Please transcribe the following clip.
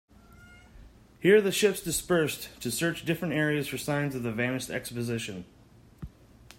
Here the ships dispersed to search different areas for signs of the vanished expedition.